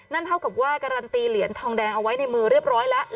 เท่ากับว่าการันตีเหรียญทองแดงเอาไว้ในมือเรียบร้อยแล้ว